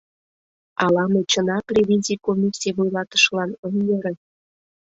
Ала мый чынак ревизий комиссий вуйлатышылан ом йӧрӧ!..